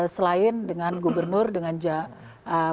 selain dengan gubernur dengan jawa barat